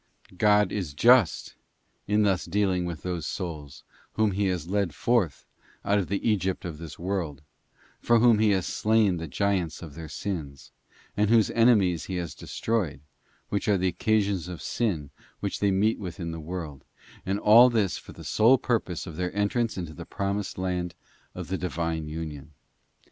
'* God is just in thus dealing with those souls whom He has led forth out of the Egypt of this world, for whom he has slain the giants of their sins, and whose enemies he has destroyed, which are the occasions of sin which they meet with in the world, and all this for the sole purpose of their entrance into the promised land of the Divine union.